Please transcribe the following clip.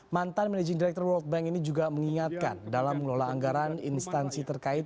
mantan managing director world bank ini juga mengingatkan dalam mengelola anggaran instansi terkait